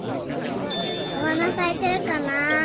おはなさいてるかな？